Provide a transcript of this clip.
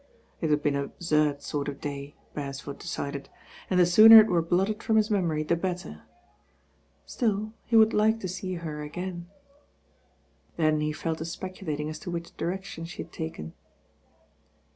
"^ It had been an absurd sort of day, Bercsford de cided, and the sooner it were blotted from his mem onr the better; stiU he would like to see her again. Then he feU to apeculatmg as to which direction she had taken.